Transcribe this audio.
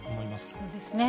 そうですね。